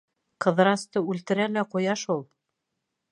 Ҡыҙырасты үлтерә лә ҡуя шул.